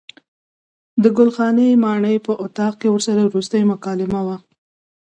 د ګل خانې ماڼۍ په اطاق کې ورسره وروستۍ مکالمه وه.